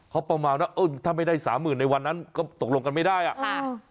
เขาประมาณว่าเออถ้าไม่ได้สามหมื่นในวันนั้นก็ตกลงกันไม่ได้อ่ะค่ะ